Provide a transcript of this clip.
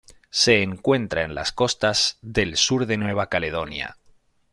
Se encuentra en las costas del sur de Nueva Caledonia.